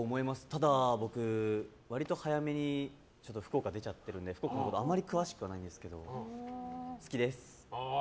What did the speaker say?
ただ僕、割と早めに福岡出ちゃってるので福岡のことあまり詳しくはないんですけど好きです。